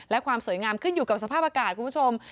และความสวยงามขึ้นอยู่กับสภาพอากาศคุณผู้ชม